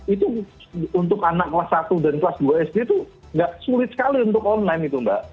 itu untuk anak kelas satu dan kelas dua sd itu nggak sulit sekali untuk online itu mbak